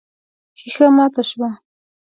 ښيښه ماته شوه.